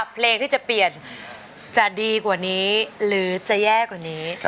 เพลงที่จะเปลี่ยนจะดีกว่านี้หรือจะแย่กว่านี้